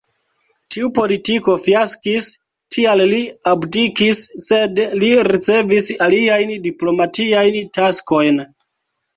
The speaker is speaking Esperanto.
Tiu politiko fiaskis, tial li abdikis, sed li ricevis aliajn diplomatiajn taskojn.